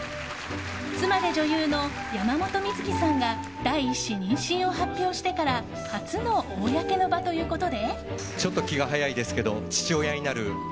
妻で女優の山本美月さんが第１子妊娠を発表してから初の公の場ということで。